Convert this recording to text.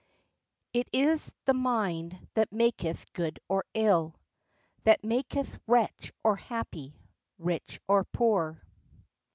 "It is the mynd that maketh good or ill, That maketh wretch or happy, rich or poore."